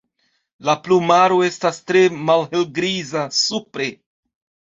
La plumaro estas tre malhelgriza supre.